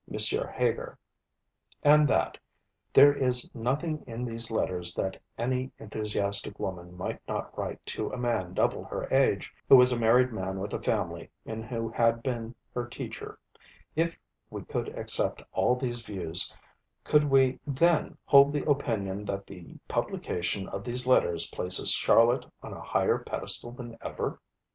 Heger_"'; and that '_there is nothing in these letters that any enthusiastic woman might not write to a man double her age, who was a married man with a family, and who had been her teacher_' if we could accept all these views, could we then hold the opinion that 'the publication of these letters places Charlotte on a higher pedestal than ever'?